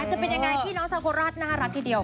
จะเป็นยังไงพี่น้องชาวโคราชน่ารักทีเดียว